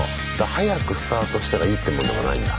早くスタートしたらいいってもんでもないんだ。